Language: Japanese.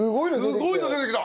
すごいの出てきた！